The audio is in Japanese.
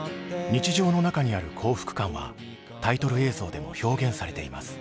日常の中にある幸福感はタイトル映像でも表現されています。